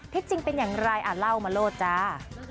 จริงเป็นอย่างไรเล่ามาโลดจ้า